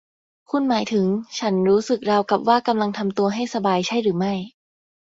คุณหมายถึงฉันรู้สึกราวกับว่ากำลังทำตัวให้สบายใช่หรือไม่